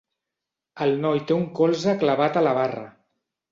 El noi té un colze clavat a la barra.